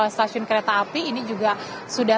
stasiun kereta api ini juga sudah